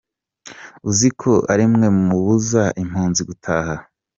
Uzi ko ari mwe mubuza impunzi gutaha.